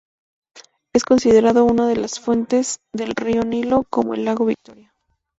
Es considerado una de las fuentes del río Nilo, como el lago Victoria.